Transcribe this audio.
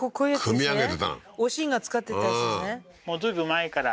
おしんが使ってたやつですね